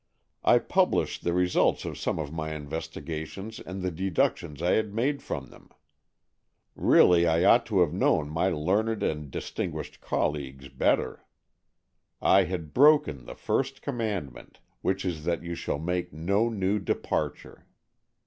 I published the results of some of my investigations and the deductions I had made from them. Really I ought to have known my learned and distinguished colleagues better. I had broken the first AN EXCHANGE OF SOULS 35 commandment, which is that you shall make no new departure.